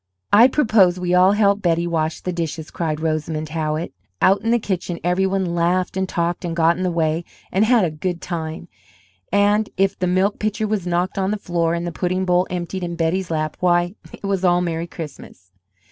"I propose we all help Betty wash the dishes!" cried Rosamond Howitt. Out in the kitchen every one laughed and talked and got in the way, and had a good time; and if the milk pitcher was knocked on the floor and the pudding bowl emptied in Betty's lap why, it was all "Merry Christmas."